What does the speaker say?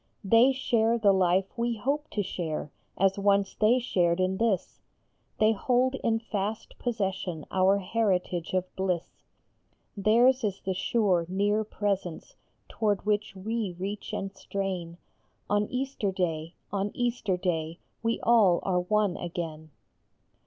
They share the life we hope to share, as once they shared in this ; They hold in fast possession our heritage of bliss. Theirs is the sure, near Presence toward which we reach and strain ; On Easter day, on Easter day, we all are one again.